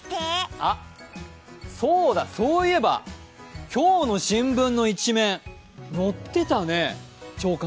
あっ、そうだ、そういえば今日の新聞の１面、載ってたね、朝刊。